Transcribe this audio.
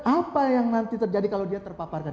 apa yang nanti terjadi kalau dia terpaparkan